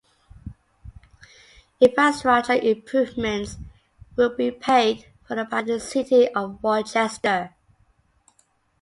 Infrastructure improvements will be paid for by the city of Rochester.